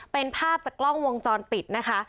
เป็นภาพจากกล้องวงจรปิดนะคะ